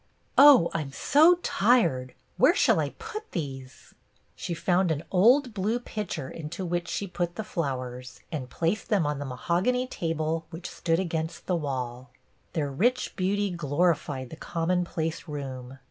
" Oh, I 'm so tired. Where shall I put these ?" She found an old blue pitcher into which she put the flowers, and placed them on the mahogany table which stood against the wall. Their rich beauty glorified the com monplace room.